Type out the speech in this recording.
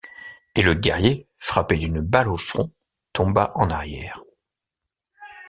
Et le guerrier, frappé d’une balle au front, tomba en arrière.